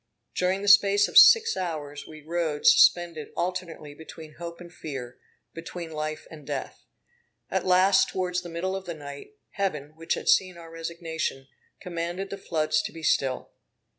During the space of six hours, we rowed suspended alternately between hope and fear, between life and death. At last towards the middle of the night, Heaven, which had seen our resignation, commanded the floods to be still.